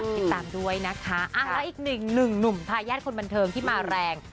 ติดตามด้วยนะคะแล้วอีกหนึ่งหนุ่มทายาทคนบันเทิงที่มาแรง